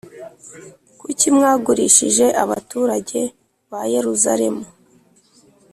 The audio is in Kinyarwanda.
kucyi mwagurishije abaturage ba Yeruzalemu,